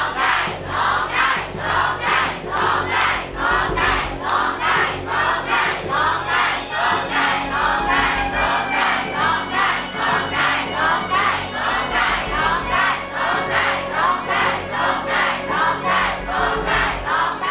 โทษให้โทษให้โทษให้โทษให้โทษให้